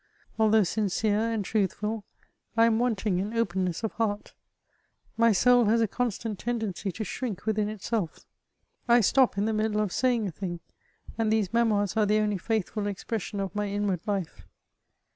Although sincere and truthful, I am wanting in openness of heart ; my soul has a constant ten dency to shrink within itself ; I stop in the middle of saying a thing, and these Memoirs are the only faithful expression of my inwaid life.